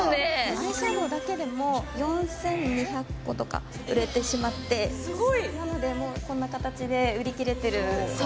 アイシャドウだけでも４２００個とか売れてしまってなのでもうこんな形で売り切れてるはい